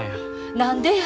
何でや？